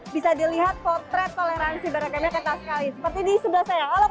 bisa dilihat potret toleransi beragamnya kata sekali seperti di sebelah saya lagi